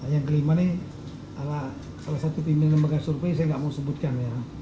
yang kelima ini salah satu pimpinan lembaga survei saya tidak mau sebutkan